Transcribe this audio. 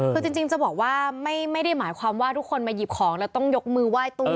คือจริงจะบอกว่าไม่ได้หมายความว่าทุกคนมาหยิบของแล้วต้องยกมือไหว้ตู้